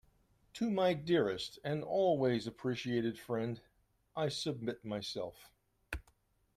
To my dearest and always appreciated friend, I submit myself.